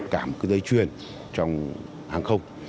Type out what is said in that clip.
cả một cái dây chuyền trong hàng không